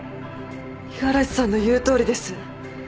五十嵐さんの言うとおりです。